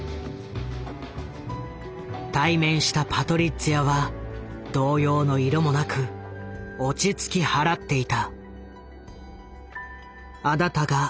対面したパトリッツィアは動揺の色もなく落ち着き払っていた。